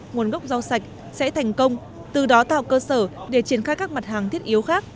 nguồn gốc rau sạch sẽ thành công từ đó tạo cơ sở để triển khai các mặt hàng thiết yếu khác